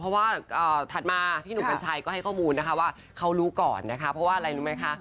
เพราะว่าถัดมาพี่หนุ่มกัญชัยก็ให้ข้อมูลนะคะว่าเขารู้ก่อนนะคะเพราะว่าอะไรรู้ไหมคะ